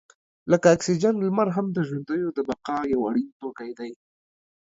لکه اکسیجن، لمر هم د ژوندیو د بقا یو اړین توکی دی.